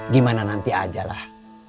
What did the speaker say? gimana nanti ajalah